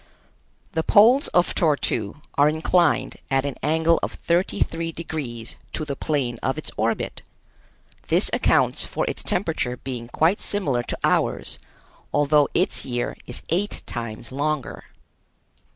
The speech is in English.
The poles of Tor tu are inclined at an angle of thirty three degrees to the plane of its orbit. This accounts for its temperature being quite similar to ours, although its year is eight times longer.